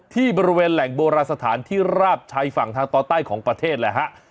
ที่บริเวณแหล่งโบราณสถานที่ราบชายฝั่งทางตอนใต้ของประเทศแหละฮะ